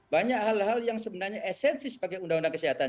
banyak hal hal yang sebenarnya esensi sebagai undang undang kesehatan